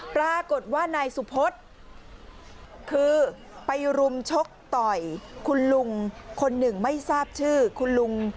ปรากฏว่านายสุพธคือไปรุมชกต่อยคุณลุงคนหนึ่งไม่ทราบชื่อคุณลุง